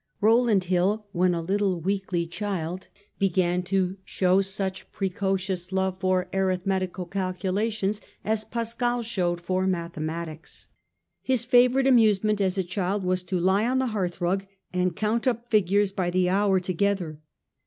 Rowland Hill when a little weakly child began to show some such precocious love for arithmetical calculations as Pascal showed for mathe matics. His favourite amusement as a child was to lie on the hearthrug and count up figures by the hour together.